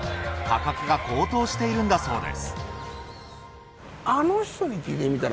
価格が高騰しているんだそうです。